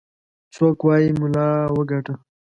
څوك وايي ملا وګاټه.